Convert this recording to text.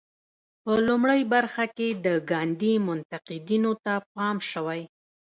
په لومړۍ برخه کې د ګاندي منتقدینو ته پام شوی.